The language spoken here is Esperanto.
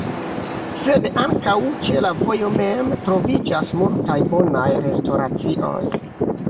Sed ankaŭ ĉe la vojo mem troviĝas multaj bonaj restoracioj.